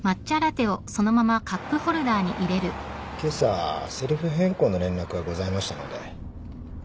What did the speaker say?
今朝せりふ変更の連絡がございましたので。